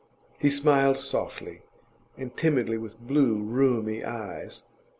He smiled softly and timidly with blue, rheumy eyes.